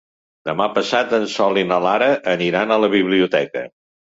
Demà passat en Sol i na Lara aniran a la biblioteca.